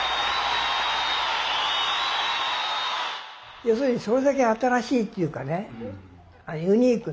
要するにそれだけ新しいっていうかね